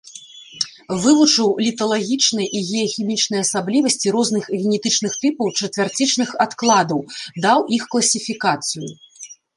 Вывучыў літалагічныя і геахімічныя асаблівасці розных генетычных тыпаў чацвярцічных адкладаў, даў іх класіфікацыю.